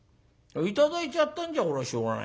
頂いちゃったんじゃしょうがないよ。